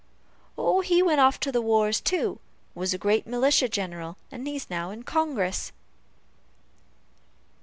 "He went off to the wars, too; was a great militia general, and is now in Congress."